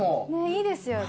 いいですよね。